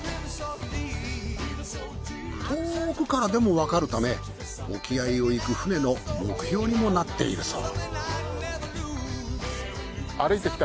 遠くからでもわかるため沖合を行く船の目標にもなっているそう。